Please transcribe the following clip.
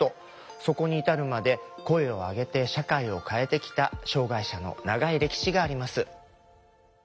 そこに至るまで声を上げて社会を変えてきた障害者の長い歴史があります。